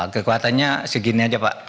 kekuatannya segini aja pak